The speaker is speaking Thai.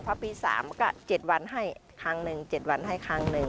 พอปี๓ก็เจ็ดวันให้ครั้งหนึ่งเจ็ดวันให้ครั้งหนึ่ง